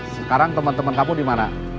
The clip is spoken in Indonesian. sekarang teman teman kamu di mana